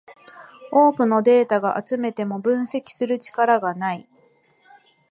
多くのデータが集めても分析する力がない